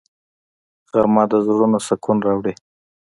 غرمه د زړونو سکون راوړي